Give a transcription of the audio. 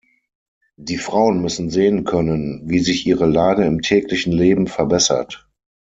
Die Frauen müssen sehen können, wie sich ihre Lage im täglichen Leben verbessert.